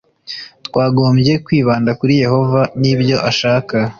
twagombye kwibanda kuri yehova n ibyo ashaka